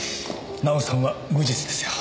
奈緒さんは無実ですよ。